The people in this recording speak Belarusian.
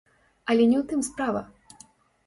Але не ў тым справа.